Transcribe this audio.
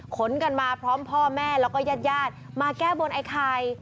ขนกันมาพร้อมพ่อแม่แล้วก็ญาติญาติมาแก้บนไอ้ไข่